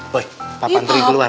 boy papa anturi keluar